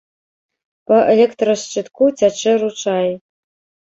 Па электрашчытку цячэ ручай.